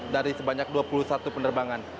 dari sebanyak dua puluh satu penerbangan